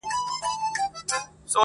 پلار یې شهید کړي د یتیم اختر په کاڼو ولي،